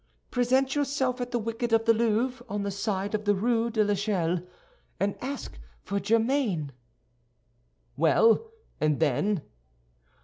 "Present yourself at the wicket of the Louvre, on the side of the Rue de l'Echelle, and ask for Germain." "Well, and then?"